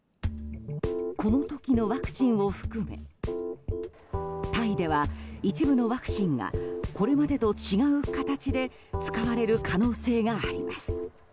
この時のワクチンを含めタイでは一部のワクチンがこれまでと違う形で使われる可能性があります。